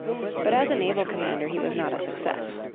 But as a naval commander he was not a success.